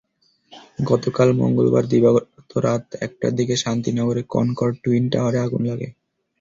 গতকাল মঙ্গলবার দিবাগত রাত একটার দিকে শান্তিনগরের কনকর্ড টুইন টাওয়ারে আগুন লাগে।